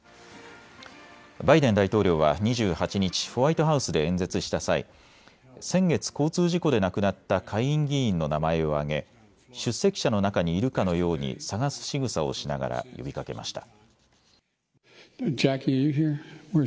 バイデン大統領大統領は２８日、ホワイトハウスで演説した際、先月、交通事故で亡くなった下院議員の名前を挙げ出席者の中にいるかのように探すしぐさをしながら呼びかけました。